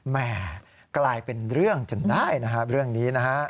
แหมกลายเป็นเรื่องจนได้นะครับเรื่องนี้นะครับ